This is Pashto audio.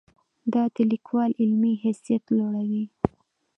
دا د لیکوال علمي حیثیت لوړوي.